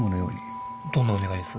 どんなお願いです？